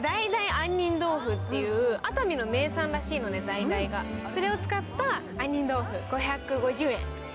杏仁豆腐っていうだいだいが熱海の名産らしいのね、それを使った杏仁豆腐５５０円。